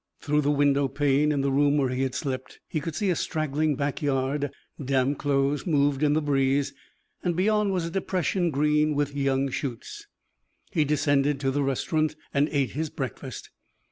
Through the window pane in the room where he had slept, he could see a straggling back yard; damp clothes moved in the breeze, and beyond was a depression green with young shoots. He descended to the restaurant and ate his breakfast.